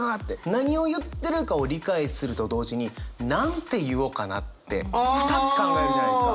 何を言ってるかを理解すると同時に何て言おうかなって２つ考えるじゃないですか。